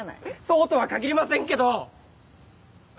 そうとは限りませんけど！